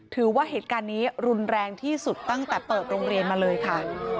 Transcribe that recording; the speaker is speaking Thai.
ถือว่าเหตุการณ์นี้รุนแรงที่สุดตั้งแต่เปิดโรงเรียนมาเลยค่ะ